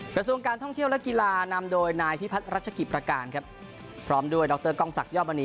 กระทรวงการท่องเที่ยวและกีฬานำโดยนายพิพัฒน์รัชกิจประการครับพร้อมด้วยดรกล้องศักดิยอดมณี